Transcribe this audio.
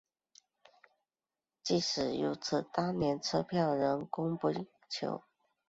即使如此当时车票仍供不应求。